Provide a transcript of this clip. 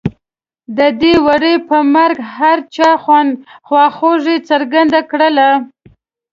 د دې وري په مرګ هر چا خواخوږي څرګنده کړله.